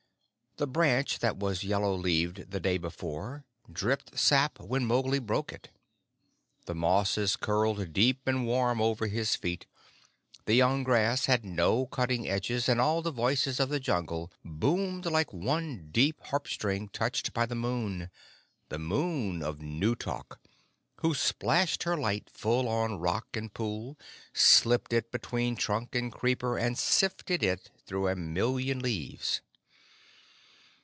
The branch that was yellow leaved the day before dripped sap when Mowgli broke it. The mosses curled deep and warm over his feet, the young grass had no cutting edges, and all the voices of the Jungle boomed like one deep harp string touched by the moon the Moon of New Talk, who splashed her light full on rock and pool, slipped it between trunk and creeper, and sifted it through a million leaves.